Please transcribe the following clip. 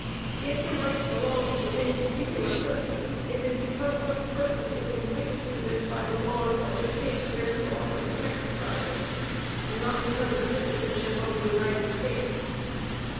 If the right belongs to any particular person, it is because such person is entitled to it by the laws of the State where he offers to exercise it, and not because of citizenship of the United States.